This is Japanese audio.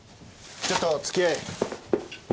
ちょっと付き合え。